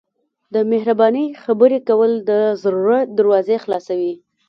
د مهربانۍ خبرې کول د زړه دروازې خلاصوي.